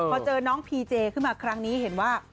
พอเจอน้องพีเจขึ้นมาครั้งนี้เห็นว่า